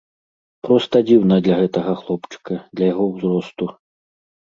Проста дзіўна для гэтага хлопчыка, для яго ўзросту.